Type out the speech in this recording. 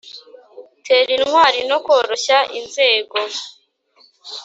teritwari no koroshya inzego